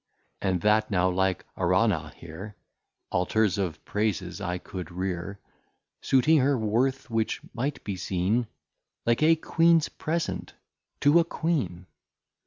O that now like Araunah here, Altars of Praises I could rear, Suiting her worth, which might be seen Like a Queens Present, to a Queen!